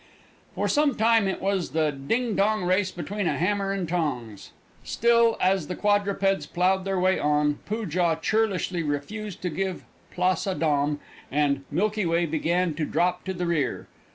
For some time it was the dingdong race between a hammer and tongs! Still, as the quadrupeds ploughed their way on, Poojah churlishly refused to give place aux dames, and Milky Way began to drop to the rear.